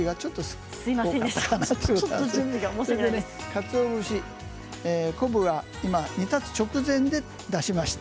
かつお節と昆布を煮立つ直前で出しました。